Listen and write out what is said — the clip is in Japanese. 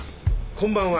こんばんは。